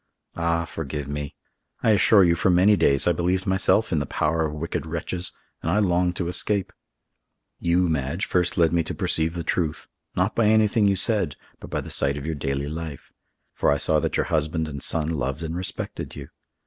Ah, forgive me! I assure you, for many days I believed myself in the power of wicked wretches, and I longed to escape. You, Madge, first led me to perceive the truth, not by anything you said, but by the sight of your daily life, for I saw that your husband and son loved and respected you!